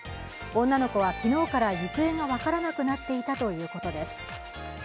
女の子は昨日から行方が分からなくなっていたということです。